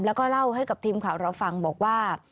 แล้วก็เล่าให้กับทีมข่าวเราฟังบอกว่า